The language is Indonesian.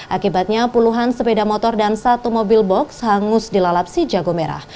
akibatnya puluhan sepeda motor dan satu mobil box hangus dilalap si jago merah